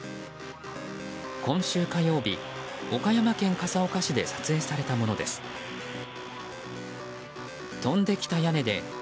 今週火曜日、岡山県笠岡市で撮影されたものです。